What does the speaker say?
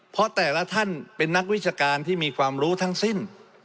เพราะแต่ละท่านเป็นนักวิชาการที่มีความรู้ทั้งสิ้น